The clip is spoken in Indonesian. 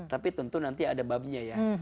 tapi tentu nanti ada babnya ya